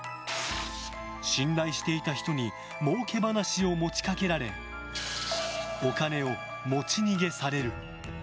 信頼していた人に儲け話を持ち掛けられお金を持ち逃げされる。